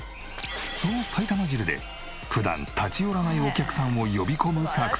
その埼玉汁で普段立ち寄らないお客さんを呼び込む作戦。